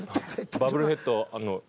バブルヘッド。